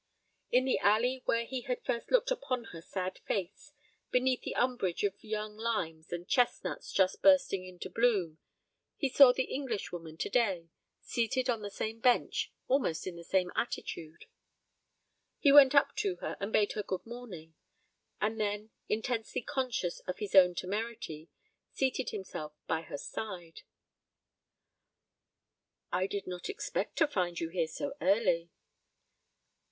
In the alley where he had first looked upon her sad face, beneath the umbrage of young limes and chestnuts just bursting into bloom, he saw the Englishwoman to day, seated on the same bench, almost in the same attitude. He went up to her, and bade her good morning; and then, intensely conscious of his own temerity, seated himself by her side. "I did not expect to find you here so early."